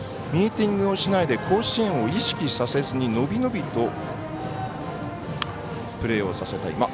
ミーティングをしないで甲子園を意識させずに伸び伸びとプレーをさせたい。